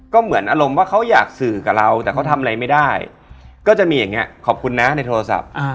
ก็เหมือนอารมณ์ว่าเขาอยากสื่อกับเราแต่เขาทำอะไรไม่ได้ก็จะมีอย่างนี้ขอบคุณนะในโทรศัพท์